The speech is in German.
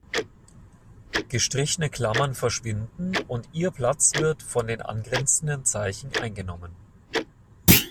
Gestrichene Klammern verschwinden und ihr Platz wird von den angrenzenden Zeichen eingenommen.